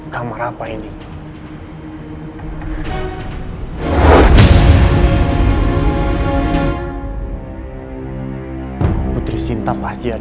jangan lupa like share dan subscribe kan roy